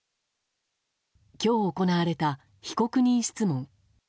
今日行われた被告人質問。